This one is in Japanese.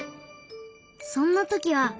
そんな時は。